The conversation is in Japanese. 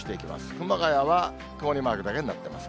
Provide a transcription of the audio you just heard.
熊谷は曇りマークだけになってます。